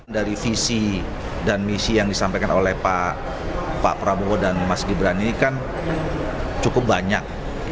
dari visi dan misi yang disampaikan oleh pak prabowo dan mas gibran ini kan cukup banyak